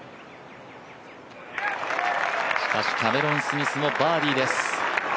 しかしキャメロン・スミスもバーディーです。